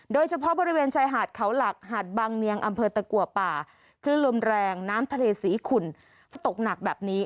โดยเฉพาะบริเวณชายหาดเขาหลักหาดบางเนียงอำเภอตะกัวป่าคลื่นลมแรงน้ำทะเลสีขุ่นตกหนักแบบนี้